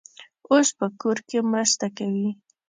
اوس په کور کې مرسته کوي.